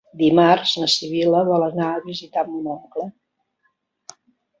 Dimarts na Sibil·la vol anar a visitar mon oncle.